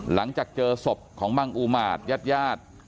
หลังจากเจอศพของบังอุมาตรญาติญาติ